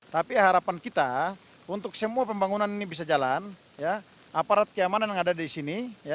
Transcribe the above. tapi harapan kita untuk semua pembangunan ini bisa jalan aparat keamanan yang ada di sini